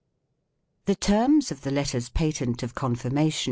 7 The terms of the letters patent of confirmation in *P.